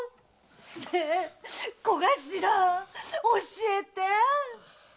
ねえ小頭教えて！